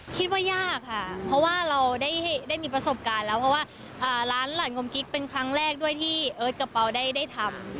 คิดว่ายากค่ะเพราะว่าเราได้มีประสบการณ์แล้วเพราะว่าร้านหลานงมกิ๊กเป็นครั้งแรกด้วยที่เอิร์ทกับเปล่าได้ทำ